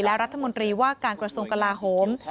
และรัฐมนตรีว่าการกระทรวงกลาโหม